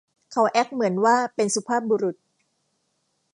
เขาแอ็คเหมือนว่าเป็นสุภาพบุรุษ